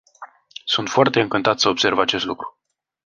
Sunt foarte încântat să observ acest lucru.